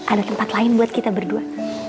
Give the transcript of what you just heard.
ada tempat lain buat kita berdua